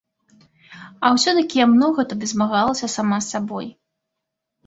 А ўсё-такі я многа тады змагалася сама з сабой.